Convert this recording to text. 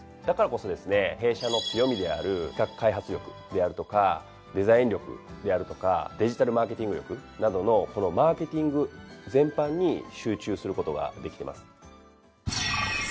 だからこそですね弊社の強みである企画開発力であるとかデザイン力であるとかデジタルマーケティング力などのマーケティング全般に集中することができてます。